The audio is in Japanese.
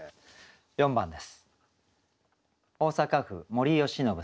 ４番です。